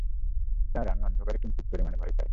Sir, আমি অন্ধকারে কিঞ্চিত পরিমাণে ভয় পাই।